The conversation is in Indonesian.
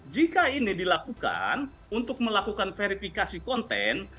jika ini dilakukan untuk melakukan verifikasi konten